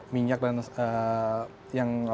minyak dan energi